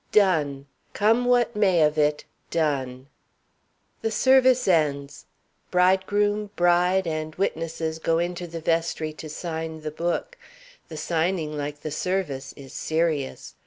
Done! Come what may of it, done! The service ends. Bridegroom, bride, and witnesses go into the vestry to sign the book. The signing, like the service, is serious.